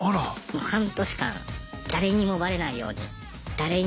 もう半年間誰にもバレないように誰にも言わずに。